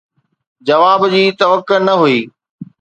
جواب جي توقع نه هئي.